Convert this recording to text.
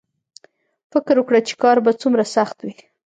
فکر وکړه چې کار به څومره سخت وي